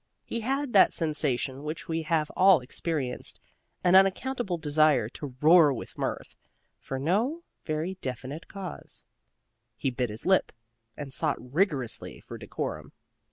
He had that sensation which we have all experienced an unaccountable desire to roar with mirth, for no very definite cause. He bit his lip, and sought rigorously for decorum.